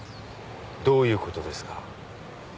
どういうことですか？